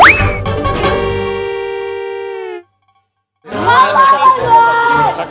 biar dokter kerjaannya tenang